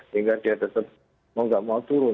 sehingga dia tetap mau nggak mau turun